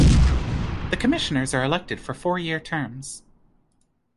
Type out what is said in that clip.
The Commissioners are elected for four-year terms.